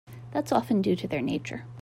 That's often due to their nature.